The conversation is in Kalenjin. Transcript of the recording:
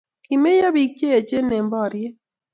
kimeyo pik cheyechen eny boriet